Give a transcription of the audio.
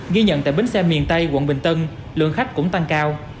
ghi nhận tại bến xe miền tây quận bình tân lượng khách cũng tăng cao